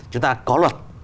chúng ta có luật